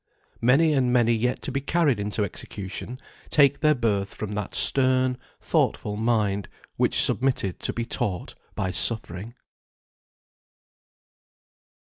Many and many yet to be carried into execution, take their birth from that stern, thoughtful mind, which submitted to be taught by suffering.